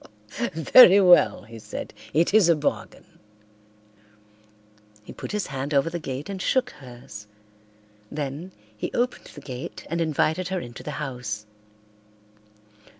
"Very well," he said. "It is a bargain." He put his hand over the gate and shook hers. Then he opened the gate and invited her into the house.